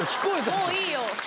もういいよ